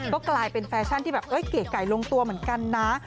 ก็กลายเป็นแฟชั่นที่แบบเก๋ไก่ลงตัวเหมือนกันนะ